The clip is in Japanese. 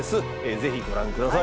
ぜひご覧ください。